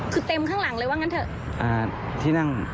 คือเต็มข้างหลังเลยว่างั้นเถอะ